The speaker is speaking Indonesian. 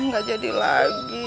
gak jadi lagi